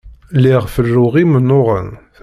Lliɣ ferruɣ imennuɣen.